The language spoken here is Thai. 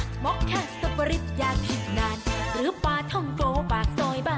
หมอกแค่สภิกษ์อย่างผิดนานหรือปลาทองโกปลาสอยบ้าน